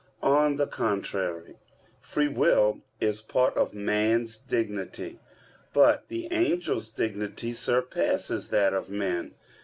On the contrary, Free will is part of man's dignity. But the angels' dignity surpasses that of men.